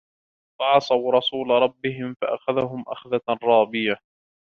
فَعَصَوْا رَسُولَ رَبِّهِمْ فَأَخَذَهُمْ أَخْذَةً رَّابِيَةً